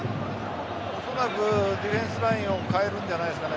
おそらくディフェンスラインを変えるんじゃないですかね。